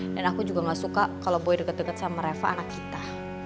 dan aku juga enggak suka kalau boy deket deket sama reva anak kita